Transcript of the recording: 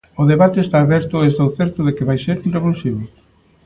O debate está aberto e estou certo de que vai ser un revulsivo.